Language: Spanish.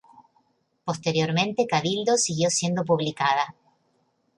Posteriormente Cabildo siguió siendo publicada.